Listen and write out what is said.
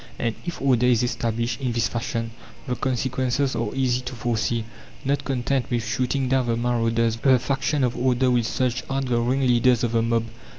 And if "order is established" in this fashion, the consequences are easy to foresee. Not content with shooting down the "marauders," the faction of "order" will search out the "ringleaders of the mob."